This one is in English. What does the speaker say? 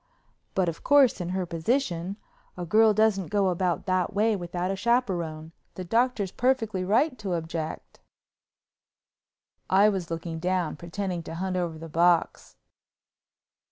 But, of course, in her position, a girl doesn't go about that way without a chaperone. The Doctor's perfectly right to object." I was looking down, pretending to hunt over the box.